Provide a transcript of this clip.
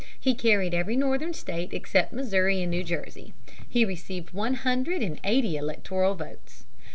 He carried every Northern state except Missouri and New Jersey. He received one hundred and eighty electoral notes.